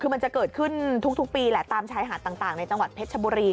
คือมันจะเกิดขึ้นทุกปีแหละตามชายหาดต่างในจังหวัดเพชรชบุรี